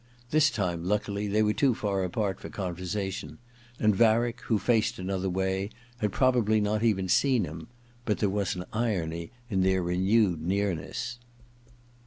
This time, luckily, they were too far apart for conversation, and Varick, who faced another way, had probably not even seen him ; but there was an irony in their renewed nearness.